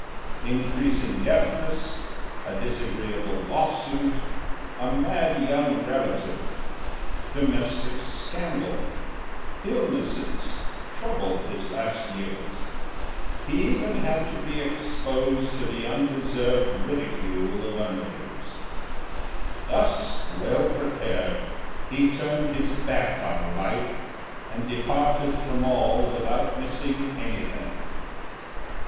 Increasing deafness, a disagreeable lawsuit, a mad young relative, domestic scandal, illnesses troubled his last years; he had even to be exposed to the undeserved ridicule of underlings. Thus, well prepared, he turned his back on life, and departed from all without missing anything.